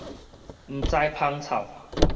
毋知芳臭